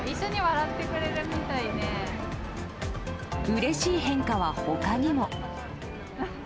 うれしい変化は他にも。